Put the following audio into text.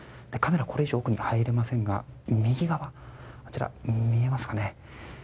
カメラはこれ以上奥に入れませんが右側、見えますかね。